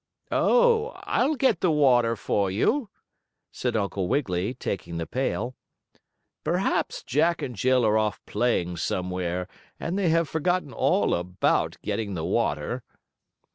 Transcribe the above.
"Oh, I'll get the water for you," said Uncle Wiggily, taking the pail. "Perhaps Jack and Jill are off playing somewhere, and they have forgotten all about getting the water."